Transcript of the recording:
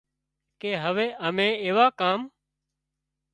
ڪي هوي امين ايوون ڪام